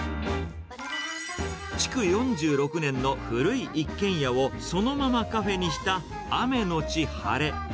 築４６年の古い一軒家をそのままカフェにした雨のち晴れ。